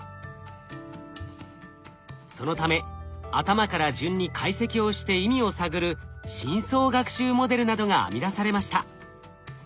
そのため頭から順に解析をして意味を探る深層学習モデルなどが編み出されました。